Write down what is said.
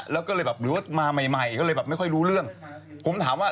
แล้วก็เลยแบบหรือว่ามาใหม่ใหม่ก็เลยแบบไม่ค่อยรู้เรื่องผมถามว่า